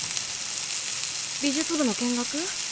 美術部の見学？